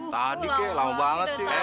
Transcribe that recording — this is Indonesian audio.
tadi kek lama banget sih